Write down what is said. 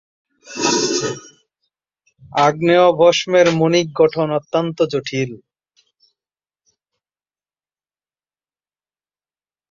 আগ্নেয়ভস্মের মণিক গঠন অত্যন্ত জটিল।